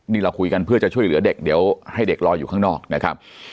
นี่เราคุยกันเพื่อจะช่วยเหลือเด็กเดี๋ยวให้เด็กรออยู่ข้างนอกนะครับ